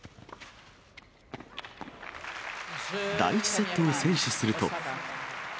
第１セットを先取すると。